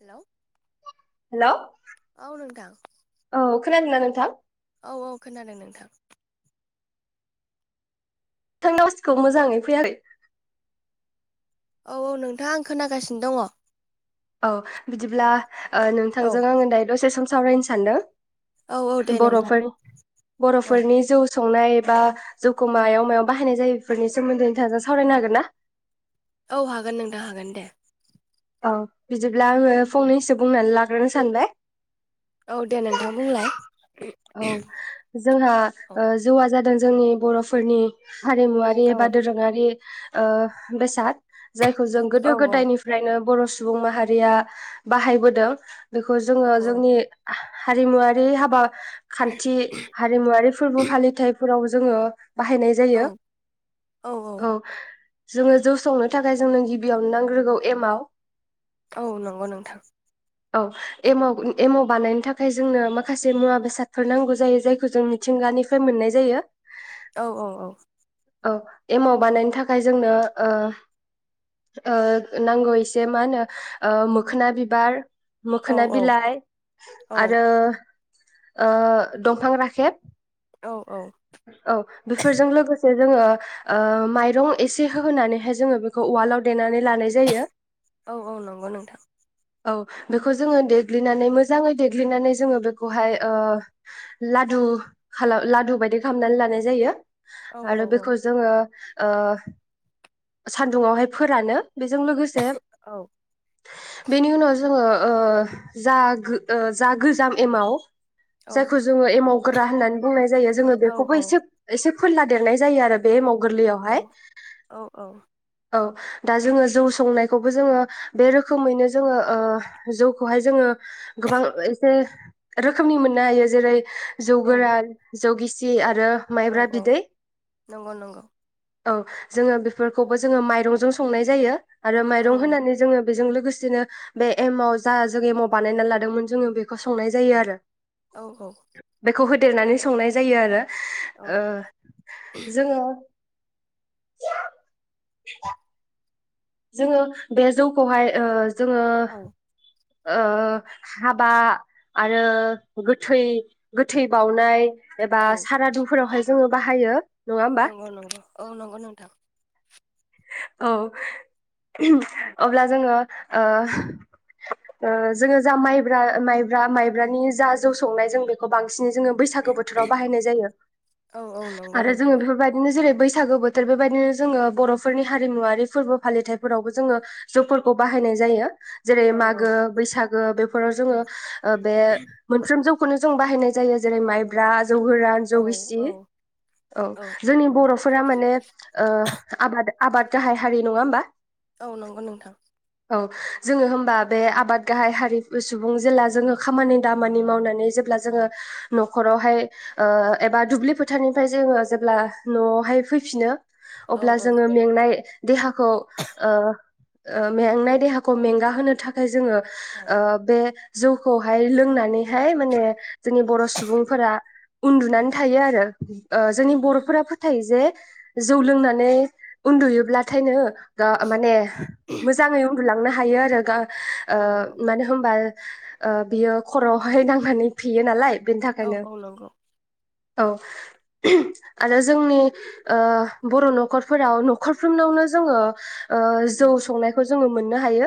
Hello. Hello औ औ नोंथां। खोना दोना नोंथां? अ खोनादों नोंथां थांनि आवासखौ मोजाङै फैआखै औ औ नोंथां आं खोनागासिनो दङ औ बिदिब्ला ओ औ नोंथांजों आङो दायो दसे सम सावरायनो औ औ दे सान्दों नोंथां औ बर'फोर-बर'फोरनि जौ संनाय बा जौखौ मायाव मायाव बाहायनाय जायो इफोरनि सोमोन्दै नोंथांजों सावरायनो हागोन ना? औ हागोन नोंथां हागोन दे औ बिदि ब्ला आङो फंनैसो बुंनानै ला ग्रोनो सानबाय औ दे नोंथां बुंलाय औ जोंहा औ ओ जौआ जादों जोंनि बर'फोरनि हारिमुवारि औ बा दोरोङारि ओ बेसाद जायखौ जों औ गोदो गोदायनिफ्रायनो बर' सुबुं माहारिया बाहायबोदों बेखौ औ जोङो जोंनि हारिमुवारि हाबा खान्थि हारिमुवारि फोरबो फालिथायफोराव जोङो बाहायनाय औ जायो औ जोङो जौ संनो थाखाय जोंनो गिबियावनो नांग्रोगौ एमाव औ नंगौ नोंथां औ एमाव-एमाव बानायनो थाखाय जोंनो माखासे मुवा बेसाद फोर नांगौ जायो जायखौ जों मिथिंगानिफ्राय मोननाय जायो औ औ औ औ एमाव बानायनो थाखाय जोंनो ओ ओ नांगौ एसे मा होनो ओ मोखना बिबार औ मोखना बिलाइ आरो ओ दंफां राखेब औ औ। औ बेफोरजों लोगोसे जोङो ओ माइरं एसे होनानैहाय जोङो बेखौ उवालाव देनानै लानाय जायो औ औ नंगौ नोंथां। औ बेखौ जोङो देग्लिनानै मोजाङै देग्लिनानै जोङो बेखौहाय ओ लादु खालाम लादु बायदि खालामामनानै लानाय जायो। औ औ आरो औ बेखौ जोङो ओ सान्दुंङावहाय फोरानो। बेजों लोगोसे औ बेनि उनाव जोङो ओ जा जा गोजाम एमाव औ जायखौ जोङो एमाव गोरा होननानै बुंनाय जायो जोङो औ बेख एसेब एसेब फोनला देरनाय जायो आरो बे एमाव। गोरलैयावहाय औ औ। दा जोङो जौ संनायखौबो जोङो बे रोखोमैनो जोङो जौखौहाय जोङो गोबां एसे रोखोमनि मोननो हायो जेरै जौ औ गोरान जौ गिस दे आद आरो औ माइब्रा औ बिदै नंगौ नंगौ औ जोङो बेफोरखौबो जोङो माइरंजों संनाय जायो। आरो औ माइरं होनानै जोङो बेजों लोगोसेनो बे एमव जा जों एमाव बानायना लादोंमोन जोङो बेखौ संनाय जायो आरो। औ औ। देरनानै संनाय जायो। आरो ओ जोङो [inaudible] जोङो बे जौखौहाय ओ जोङो औ ओ हाबा आरो गोथै गोथै बावउनाय एबा औ सारादुफोरावहाय जोङो बाहायो। नङा होमबा नंगौ नंगौ औ नंगौ नोंथां। औ अब्ला जोङो ओ जोङो जा माइब्रा माइब्रा माइब्रानि जा जौ संनाय जों बेखौ बांसिन जों बैसागो बोथोराव बाहायनाय जायो औ औ नंगौ आरो जोङो नोंथां बेफोरबायदिनो जेरै बैसागो बोथोर बेबायदिनो जोङो बर' फोरनि हारिमुवरारि फोरबो फालिथायफोरावबो जोङो जौफोरखौ बाहायनाय जायो जेरै औ औ मागो बैसागो बेफोराव जोङो बे मोनफ्रोम जौ नो जों बाहायनाय जायो जेरै माइब्रा जौ गोरान जौ औ गिसि औ औ जोंनि बर'फोरा माने आबाद आबाद गाहाय हारि नङा होमबा औ नंगौ नोंथां औ जोङो होमबा बे आबाद गाहाय हारि सुबुं जेब्ला जोङो खामानि दामानि मावनानै जेब्ला जोङो न'खरावहाय ओ एबा दुब्लि फोथारनिफ्राय जोङो जेब्ला न'आवहाय फैफिनो औ औ। फाय देहाखौ ओ ओ मेंनाय देहाखौ मेंगा होनो थाखाय जोङो औ ओ बे जौखौहाय लोंनानैहाय माने जोंनि बर' सुबुंफोरा औ उन्दुनानै औ थायो आरो। ओ उम जोंनि उम बर'फोरा फोथायो जे जौ उम लोंनानै उन्दुयोब्लाथायनो गा माने मोजाङै उन्दुलां नो हायो आरो गा ओ औ मानो होमबा बियो खरावहाय नांनानै फेयो नालाय। बेनि औ थाखायनो औ नंगौ। औ आरो जोंनि ओ बर' न'खरफोराव न खरफ्रोमनावनो जोङो ओ जौ उम संनायखौ जोङो मोननो हायो।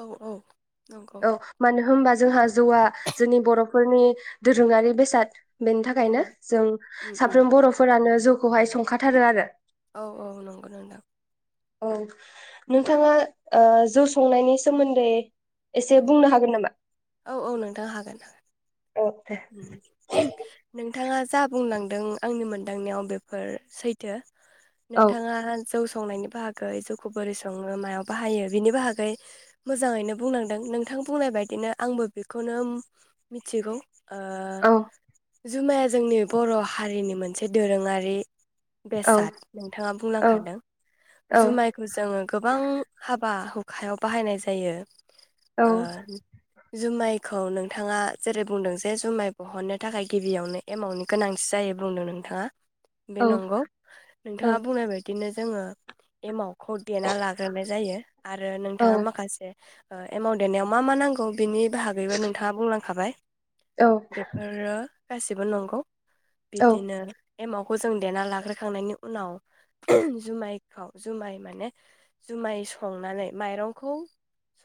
औ औ नंगौ औ मानो होनबा जोंहा जौआ जोंनि बर' फोरनि दोरोङारि बेसाद बेनि औ थाखायनो जों उम उम साफ्रोम बर'फोरानो जौखौहाय संखाथारो आरो। औ औ नंगौ नोंथां। औ नोंथाङा ओ जौ संनायनि सोमोन्दै औ एसे बुंनो हागोन नामा? औ औ नोंथां हागोन। औ दे नों थाङा जा बुंलांदों आंनि मोनदांनायाव बेफोर सैथो औ नोंथाङा जौ संनायनि बाहागै जौखौ बोरै सङो मायाव बाहायो बिनि बाहागै मोजाङैनो बुंलांदों नोंथां बुंनाय बायदिनो आंबो बेखौनो मिथिगौ। ओ औ जुमाया जोंनि बर' हारिनि मोनसे दोरोङारि औ बेसाद नोंथाङा औ बुंलांखादों। औ जुमायखौ जोङो गोबां हाबा हु खायाव बाहायनाय जायो। औ ओ जुमाइखौ नोंथाङा जेरै बुंदों जे जुमाय बहननो थाखाय गिबियावनो एमाउनि गोनांथि जायो बुंदों नोंथाङा। बे औ नंगौ औ नोंथाङा बुंनाय बायदिनो जोङो एमाव खौ देना लाग्रोनाय जायो आरो औ नोंथाङा माखासे एमाउ देनायाव मा मा नांगौ बिनि बाहागैबो नोंथाङा बुंलांखाबाय। औ औ बेफोरो गासिबो नंगौ। बिदिनो एमावखौ जों देना लाग्रोखांनायनि उनाव जुमायखौ जुमाय माने जुमाय संनानै माइरंखौ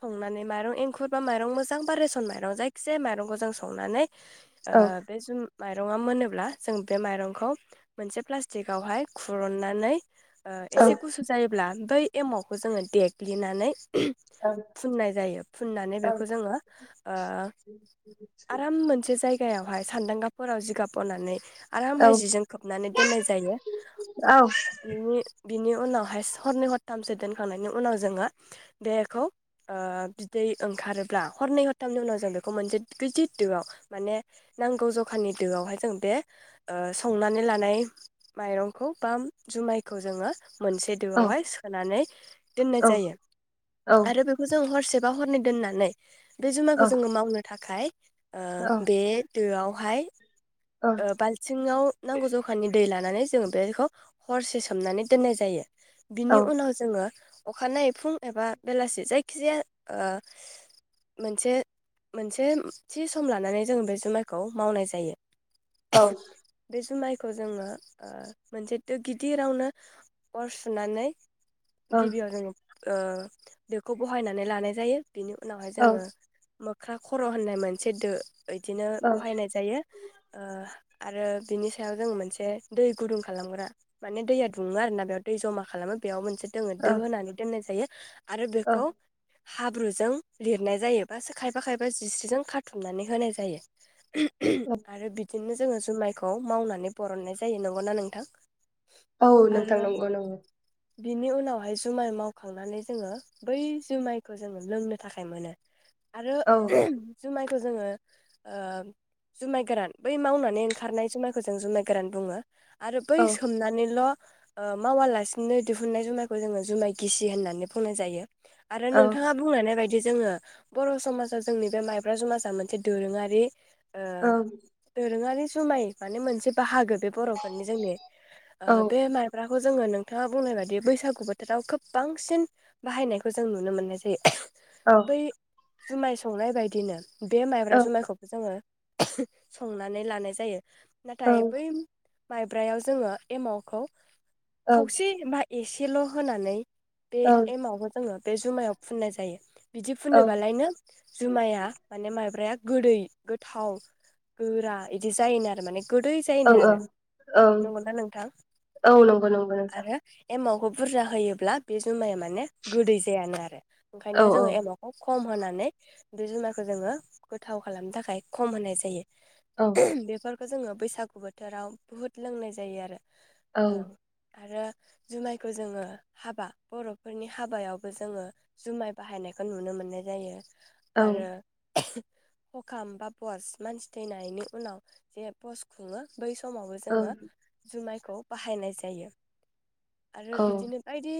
संनानै माइरं एंखुर बा माइरं मोजां बा रेसन माइरं जायखिजाया माइरंखौ जों सं संनानै ओ बेजों माइरङा मोनोब्ला जों बे माइरंखौ मोनसे प्लास्टिकआवहाय खुरननानै ओ एसे गुसु जायोब्ला बै एमावखौ जोङो देग्लिनानै फुननाय जायो। फुननानै बेखौ जोङो ओ आराम मोनसे जायगायावहाय सान्दांगाफोराव जिगाब बनानै आरामाहाय जिजों खोबनानै दोननाय जायो। बिनि बिनि उनावहाय हरनै हरथामसो दोनखांनायनि उनाव जोङो बेखौ ओ बिदै ओंखारोब्ला हरनै हरथामनि उनाव जों बेखौ मोनसे गिदिर दोआव माने नांगौ जखानि दोआवहाय जों बे ओ संनानै लानाय माइरंखौ बा जुमायखौ जोङो मोनसे दोआवहाय सोनानै दोननाय जायो आरो बेखौ जों हरसे बा हरनै दोननानै बे जुमायखौ जोङो मावनो थाखाय ओ बे दोआवहाय ओ बालथिङाव नांगौ जखानि दै ला नानै जोङो बेखौ हरसे सोमनानै दोननाय जायो। बिनि उनाव जोंङो अखानायनाय फुं एबा बेलासि जायखिजाया ओ मोनसे मोनसे थि सम लानानै जों बे जुमायखौ मावनाय जायो [unintelligible] बे जुमायखौ खौ जोंङो मोनसेथ ओ दो गिदिरावनो अर सुनानै गिबि आव जोंङो ओ बेखौ बहायनानै लानाय जायो बिनि उनावहाय जोंङो मोख्रा खर होननाय मोनसे दो बिदिनो बहायनाय जायो ओ आरो बिनि सायाव जों मोनसे दै गुदुं खालामग्रा माने दैया दुङो आरो ना बेयाव दै जमा खालामो बेयाव मोन से दोङो दो औ होनानै दोननाय जायो आरो औ बेखौ हाब्रुजों लिरनाय जायो बासो खायबा खायबा जिस्रिजों खाथुमनानै होनाय जायो औ आरो बिदिनो जोंङो जुमायखौ मावनानै बरननाय जायो नंगौनाा नोंथां? औ आरो नोंथां नंगौ नंगौ बिनि उनावहाय जुमाय मावखांनानै जोंङो बै जुमायखौ जोंङो लोंनो थाखाय मोनो आरो औ जुमाय खौ जोंङो ओ जुमाय गोरान बै मावनानै ओंखारनाय जुमायखौ जों जुमाय गोरान बुङो आरो बै औ सोमनानैल ओ मावालासिनो दिहुननाय जुमायखौ जोंङो जुमाय गिसि होननानै बुंनाय जायो आरो औ नोंथाङा बुंलांनाय बाय दि जोङो बर समाजा जोंनि बे माइब्रा जुमाजा मोनसे दोरोङारि ओ औ दोरोङारि जुमाय माने मोनसे बाहागो बे बरफोरनि जोंनि ओ बे माइब्रा खौ जोंङो नोंथाङा बुंनाय बादि बैसागु बोथोराव खोब बांसिन बाहायनायखौ जों नुनो मोननाय जायो औ बै जुमाय संनाय बायदिनो बे माइब्रा औ जुमायखौबो जोंङो संनानै लानाय जायो नाथाय बै माइब्रायाव जोङो एमावखौ औ खावसे बा एसे सेल होनानै बे एमावखो जोङो बे जुमायाव फुननाय जायो बिदि औ फुनोबालायनो जुमाया माने माइब्राया गोदै गोथाव गोरा इदि जायोनो आरो माने गोदै जायोनो ओं आरो ओं ओं नंगौना नोंथां औ नंगौ नंगौ नोंथां आरो एमाव खौ बुरजा होयोब्ला बे जुमाया माने गोदै जायानो आरो औ ओंखायनो औ जोङो एमावखौ खम होनानै दुइ जुनारखौ जोङो गोथाव खालामनो थाखाय खम होनाय जा औ बेफोर खौ जोङो बैसागु बोथोराव बुहुत लोंनाय जायो आरो औ आरो जुमायखौ जोङो हाबा बर'फोरनि हाबायावबो जोङो जुमाय बाहायनायखौ नुनो मोननाय जायो। ओं आरो हखाम बा बस मानसि थैनायनि उनाव जे बस खुङो। बै समावबो औ जोङो जुमाय खौ बाहायनाय जायो। आरो बिदिनो बायदि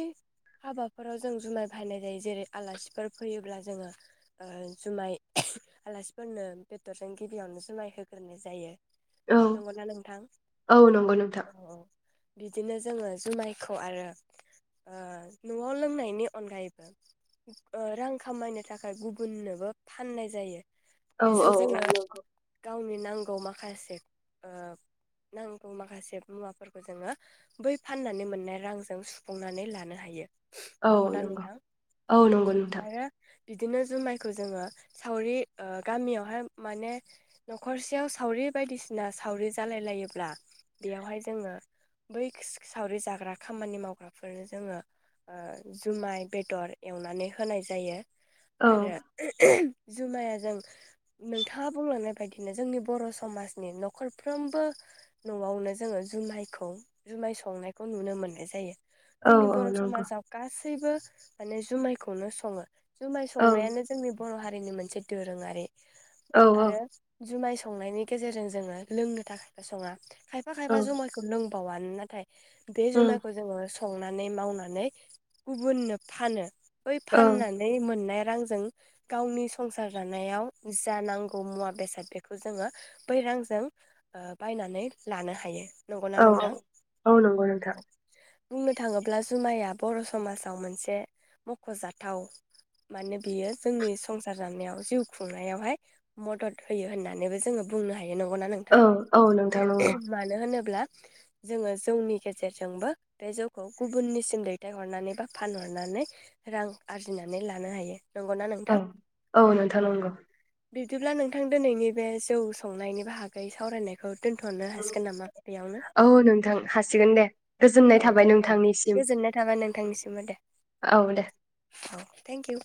हाबाफोराव जों जुमाय बाहायनाय जायो जेरै आलासिफोर फैयोब्ला जोङो जुमाय आलासिफोरनो बेदर जों गिबियावनो जुमाय होग्रोनाय जायो। औ नंगौना नोंथां औ नंगौ नोंथां औ औ बिदिनो जोङो जुमायखौ आरो ओ न'आव लोंनायनि अनगायैबो रां खामायनो थाखाय गुबुननोबो फाननाय जायो। औ बेजों औ औ जोङो नंगौ गावनि नांगौ माखासे ओ नांगौ माखासे मुवाफोरखौ जोङो बै फाननानै मोननाय रांजों सुफुंनानै लानो हायो। नंगौ ना नोंथां औ नंगौ नोंथां आरो बिदिनो जुमायखौ जोङो सावरि ओ गामियावहाय माने न'खरसेयाव सावरि बायदिसिना सावरि जालाय लायोब्ला बेयावहाय जोङो बै सावरि जाग्रा खामानि मावग्राफोरनो जोङो ओ जुमाय बेदर एवनानै होनाय जायो। औ आरो जुमायजों नोंथाङा बुंलांनाय बायदिनो जोंनि बर' समाजनि न'खरफ्रोमबो न'आवनो जोङो जुमायखौ जुमाय संनायखौ नुनो मोननाय जायो। औ जोंनि औ बर' नंगौ समाजाव गा सैबो माने जुमायखौनो सङो जुमाय औ संनायानो जोंनि बर' हारिनि मोनसे दोरोङारि औ आरो जुमाय संनायनि गेजेरजों जोङो लोंनो थाखायबो सङा खायफा खायफा औ जुमायखौ लों बावा नाथाय बे उम जमायखौ जोङो स संनानै मावनानै गुबुननो फानो। बै औ फाननानै मोननाय आरो। रांजों गावनि संसार जानायाव। जा नांगौ मुवा बेसाद बेखौ जोङो। बै रांजों बायनानै लानो हायो। नंगौना औ औ नोंथां औ नंगौ नोंथां। बुंनो थाङोब्ला जुमाया बर' समाजाव मोनसे, मख'जाथाव मानो बियो जोंनि संसार जानायाव जिउ खुंनायावहाय मदद होयो होननानैबो जोङो बुंनो हायो। नंगौ ना औ नोंथां? औ नोंथां नंगौ मानो होनोब अब्ला जोङो जौनि गेजेरजोंबो बे जौखौ गुबुननिसिम दैथायहरनानै बा फानहरनानै रां आरजिनानै लानो हायो। नंगौना औ औ नोंथां नांगौ। बिदिब्ला नोंथां दिनैनि बे जौ संनायनि बाहागै सावरायनायखौ दोनथ'नो हासिगोन नामा बेयावनो? औ नोंथां हासिगोन दे गोजोननाय औ थाबाय दे नोंथांनिसिम गोजोननाय थाबाय नोंथांनिसिमबो दे। औ दे औ थेंकिउ।